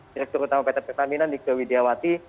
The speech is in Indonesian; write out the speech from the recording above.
direktur utama pt pertamina nikto widjawati